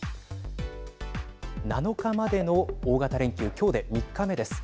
７日までの大型連休今日で３日目です。